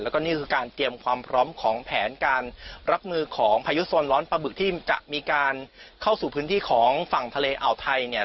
แล้วก็นี่คือการเตรียมความพร้อมของแผนการรับมือของพายุโซนร้อนปลาบึกที่จะมีการเข้าสู่พื้นที่ของฝั่งทะเลอ่าวไทยเนี่ย